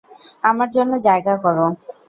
আমার জন্য জায়গা কর!